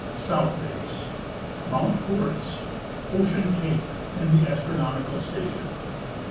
South base, mount Hoorts, Ocean cape, and the astronomical station.